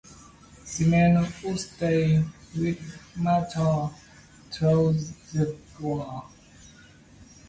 These men would stay with MacArthur throughout the war.